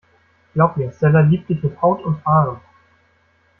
Glaub mir, Stella liebt dich mit Haut und Haaren.